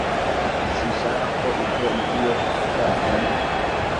Sinshaka ko ibyo ngiye kuvuga byandikwa